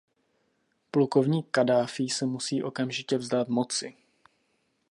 Plukovník Kaddáfí se musí okamžitě vzdát moci.